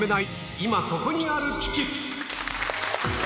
今そこにある危機。